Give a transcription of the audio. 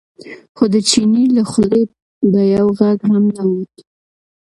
خو د چیني له خولې به یو غږ هم نه ووت.